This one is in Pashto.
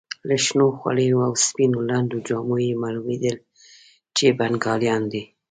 له شنو خولیو او سپینو لنډو جامو یې معلومېدل چې بنګالیان دي.